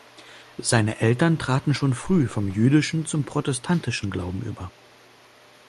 Seine Eltern traten schon früh vom jüdischen zum protestantischen Glauben über.